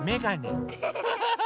アハハハ！